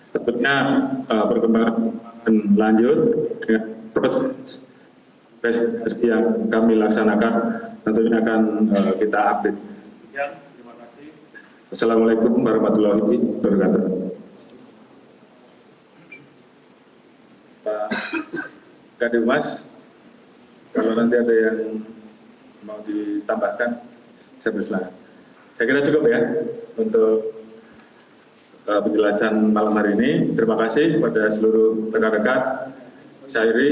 tentunya perkembangan perkembangan lanjut dengan projek yang kami laksanakan tentunya akan kita update